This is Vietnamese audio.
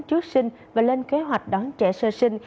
trước sinh và lên kế hoạch đón trẻ sơ sinh